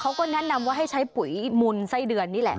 เขาก็แนะนำว่าให้ใช้ปุ๋ยมูลไส้เดือนนี่แหละ